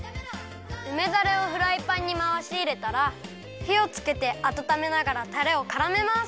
うめだれをフライパンにまわしいれたらひをつけてあたためながらたれをからめます！